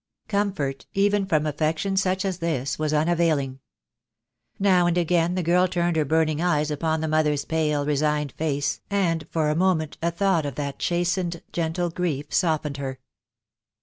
Comfort, even from affection such as this, was un availing. Now and again the girl turned her burning eyes upon the mother's pale, resigned face, and for a moment a thought of that chastened, gentle grief softened her.